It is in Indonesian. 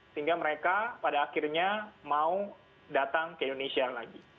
sehingga mereka pada akhirnya mau datang ke indonesia lagi